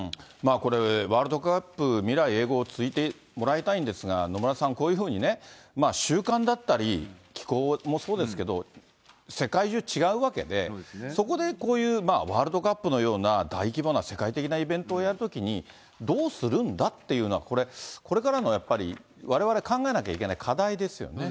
これ、ワールドカップ、未来永劫続いてもらいたいんですが、野村さん、こういうふうにね、習慣だったり気候もそうですけど、世界中違うわけで、そこでこういうワールドカップのような大規模な世界的なイベントをやるときに、どうするんだっていうのは、これ、これからのやっぱりわれわれ考えなきゃいけない課題ですよね。